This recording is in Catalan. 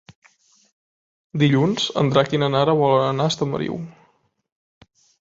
Dilluns en Drac i na Nara volen anar a Estamariu.